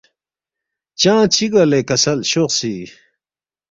”چنگ چِہ گوے لے کسل شوخسی